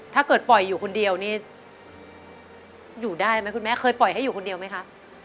ถ้าเกิดปล่อยอยู่คนเดียวนี่อยู่ได้ไหมคุณแม่เคยปล่อยให้อยู่คนเดียวไหมคะ